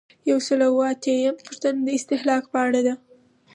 یو سل او اووه اتیایمه پوښتنه د استهلاک په اړه ده.